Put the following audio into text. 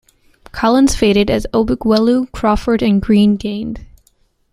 Collins faded as Obikwelu, Crawford and Greene gained.